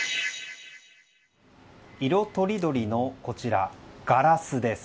色とりどりのこちらガラスです。